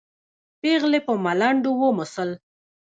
پېغلې په ملنډو وموسل.